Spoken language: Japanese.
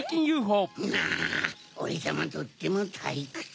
あオレさまとってもたいくつ。